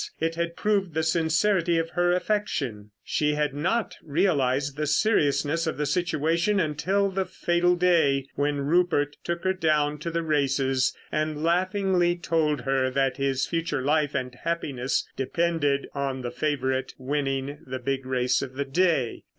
It had proved the sincerity of her affection. She had not realised the seriousness of the situation until the fatal day when Rupert took her down to the races, and laughingly told her that his future life and happiness depended on the favourite winning the big race of the day.